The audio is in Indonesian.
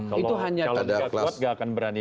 kalau tidak kuat gak akan berani